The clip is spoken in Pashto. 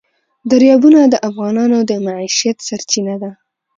دریابونه د افغانانو د معیشت سرچینه ده.